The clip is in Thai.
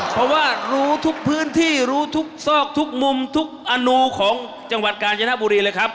เพราะว่ารู้ทุกพื้นที่รู้ทุกซอกทุกมุมทุกอนูของจังหวัดกาญจนบุรีเลยครับ